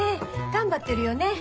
頑張ってるよねえ。